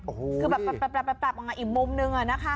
อ๋อคือแบบแบบอีกมุมนึงนะฮะ